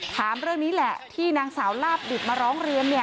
ถามเรื่องนี้แหละที่นางสาวลาบดิบมาร้องเรียน